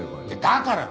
だから！